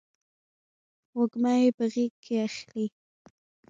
وږمه یې په غیږ کې اخلې